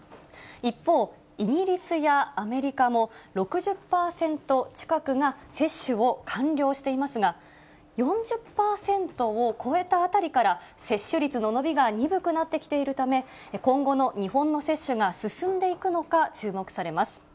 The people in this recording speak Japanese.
一方、イギリスやアメリカも、６０％近くが接種を完了していますが、４０％を超えたあたりから、接種率の伸びが鈍くなってきているため、今後の日本の接種が進んでいくのか注目されます。